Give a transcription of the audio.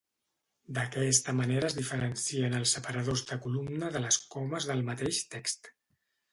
D'aquesta manera es diferencien els separadors de columna de les comes del mateix text.